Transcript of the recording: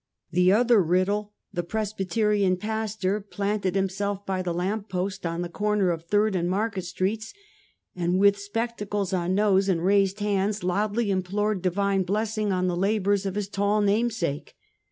The other Riddle — the Presbyterian pastor — planted himself by the lamp post on the corner of Third and Market streets, and with spectacles on nose and raised hands, loudly implored divine blessing on the labors of his tall namesake.